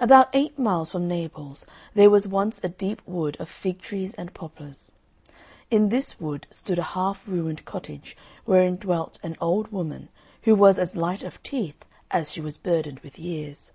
About eight miles from Naples there was once a deep wood of fig trees and poplars. In this wood stood a half ruined cottage, wherein dwelt an old woman, who was as light of teeth as she was burdened with years.